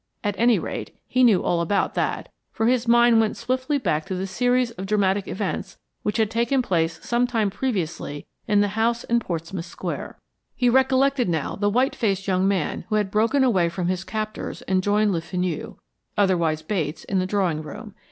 At any rate, he knew all about that, for his mind went swiftly back to the series of dramatic events which had taken place some time previously in the house in Portsmouth Square. He recollected now the white faced young man who had broken away from his captors and joined Le Fenu, otherwise Bates, in the drawing room.